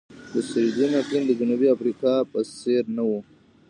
د سیریلیون اقلیم د جنوبي افریقا په څېر نه وو.